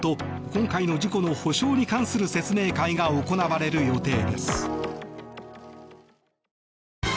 今回の事故の補償に関する説明会が行われる予定です。